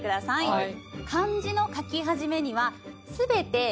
はい。